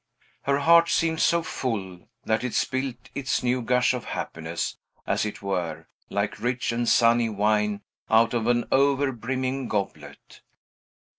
Her heart seemed so full, that it spilt its new gush of happiness, as it were, like rich and sunny wine out of an over brimming goblet.